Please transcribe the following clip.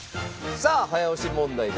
さあ早押し問題です。